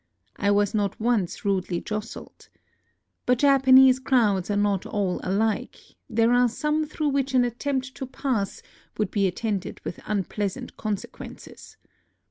I was not once rudely jostled. But Japanese crowds are not all alike: there are some through which an attempt to pass would be attended with unpleasant consequences.